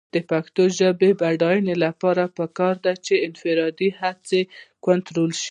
د پښتو ژبې د بډاینې لپاره پکار ده چې انفرادي هڅې کنټرول شي.